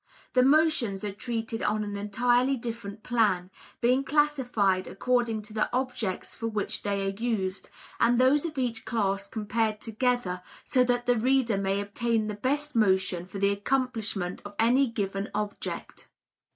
The motions are treated on an entirely different plan, being classified according to the objects for which they are used, and those of each class compared together so that the reader may obtain the best motion for the accomplishment of any given object.